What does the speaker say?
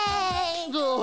どう？